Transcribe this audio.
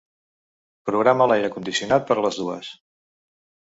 Programa l'aire condicionat per a les dues.